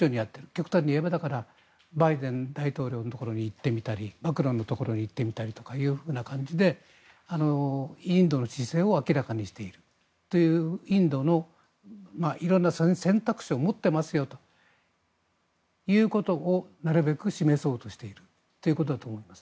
極端に言えばバイデン大統領のところに行ってみたりマクロンのところに行ってみたりという形でインドの姿勢を明らかにしているというインドの色んな選択肢を持っていますよということをなるべく示そうとしているということだと思います。